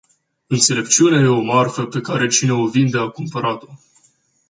Înțelepciunea e o marfă pe care cine o vinde a cumpărat-o.